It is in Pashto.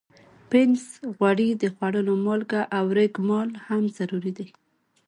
پنس، غوړي، د خوړلو مالګه او ریګ مال هم ضروري دي.